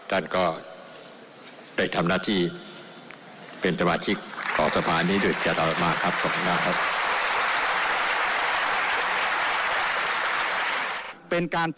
เราอยากดูตอนวางบัตรแล้วก็เดินออก